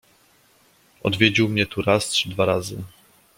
"Odwiedził mnie tu raz czy dwa razy."